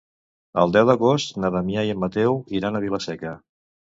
El deu d'agost na Damià i en Mateu iran a Vila-seca.